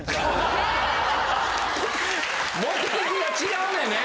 目的が違うのよね。